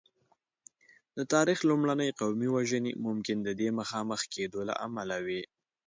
د تاریخ لومړنۍ قومي وژنې ممکن د دې مخامخ کېدو له امله وې.